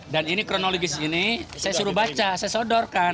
dan ini kronologis ini saya suruh baca saya sodorkan